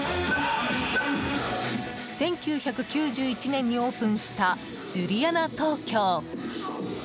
１９９１年にオープンしたジュリアナ東京。